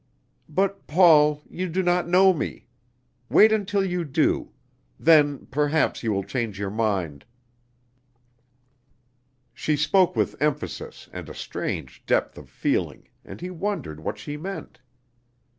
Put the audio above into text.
"But, Paul, you do not know me. Wait until you do. Then, perhaps, you will change your mind." She spoke with emphasis and a strange depth of feeling, and he wondered what she meant.